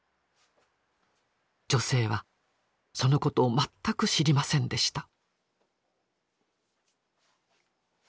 女性はそのことを全く知りませんでした。